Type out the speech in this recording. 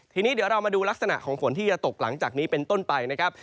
ทีนี้เดี๋ยวเรามาดูลักษณะของฝนที่จะตกหลังจากนี้เป็นต้นไปนะครับ